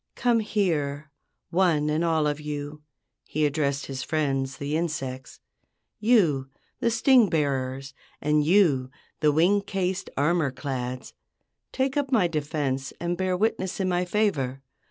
"Come here, one and all of you," he addressed his friends, the insects. "You, the sting bearers, and you, the wing cased armor clads—take up my defense and bear witness in my favor.